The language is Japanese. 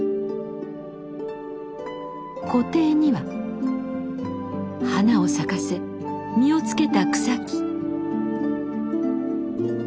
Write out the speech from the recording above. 湖底には花を咲かせ実をつけた草木。